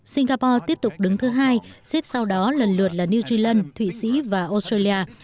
singapore tiếp tục đứng thứ hai xếp sau đó lần lượt là new zealand thụy sĩ và australia